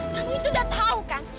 kamu itu udah tahu kan